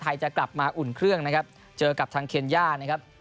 จะกลับมาอุ่นเครื่องนะครับเจอกับทางเคนย่านะครับ